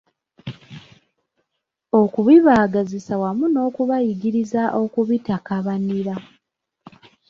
Okubibaagazisa wamu n’okubayigiriza okubitakabanira.